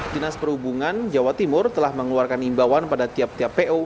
dinas perhubungan jawa timur telah mengeluarkan imbauan pada tiap tiap po